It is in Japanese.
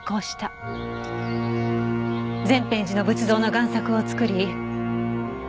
善遍寺の仏像の贋作を作り。